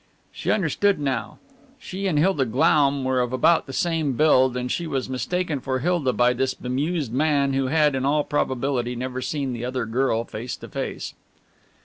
She understood now. She and Hilda Glaum were of about the same build, and she was mistaken for Hilda by this bemused man who had, in all probability, never seen the other girl face to face.